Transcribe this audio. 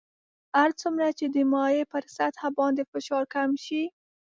هر څومره چې د مایع پر سطح باندې فشار کم شي.